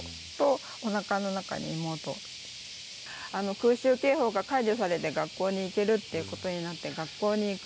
空襲警報が解除されて学校に行けるということになって学校に行く。